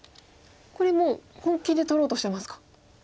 これもう本気で取ろうとしてますか。